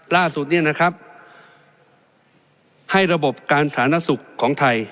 ล่าสุดเนี่ยนะครับให้ระบบการสาธารณสุขของไทย